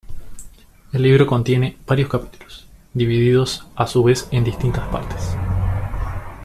El libro contiene varios capítulos, divididos a su vez en distintas partes.